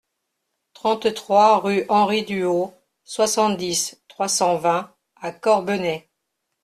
trente-trois rue Henri Duhaut, soixante-dix, trois cent vingt à Corbenay